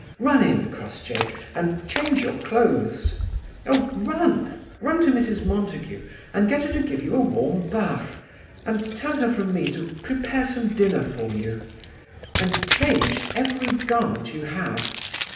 Run in, Crossjay, and change your clothes. Oh, run, run to Mrs. Montague, and get her to give you a warm bath, and tell her from me to prepare some dinner for you. And change every garment you have.